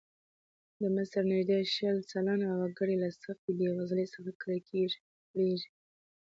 د مصر نږدې شل سلنه وګړي له سختې بېوزلۍ څخه کړېږي.